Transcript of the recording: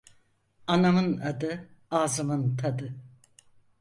Anamın adı! Ağzımın tadı!